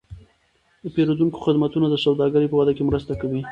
د پیرودونکو خدمتونه د سوداګرۍ په وده کې مرسته کوي.